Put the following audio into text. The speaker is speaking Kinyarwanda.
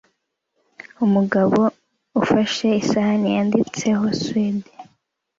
Umugabo ufashe isahani yanditseho squide